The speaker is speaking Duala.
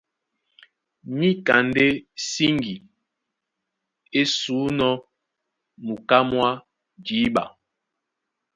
Níka ndé síŋgi é sǔnɔ́ muká mwá jǐɓa.